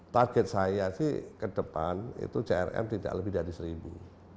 target saya sih ke depan itu crm tidak lebih dari seribu